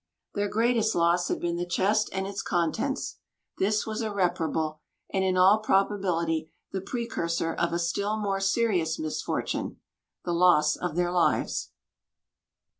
Their greatest loss had been the chest and its contents. This was irreparable; and in all probability the precursor of a still more serious misfortune, the loss of their lives.